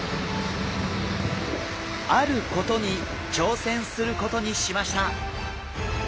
あることに挑戦することにしました。